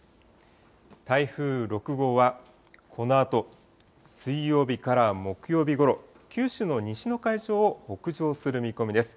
台風６号はこのあと水曜日から木曜日ごろ、九州の西の海上を北上する見込みです。